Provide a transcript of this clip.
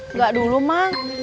enggak dulu mak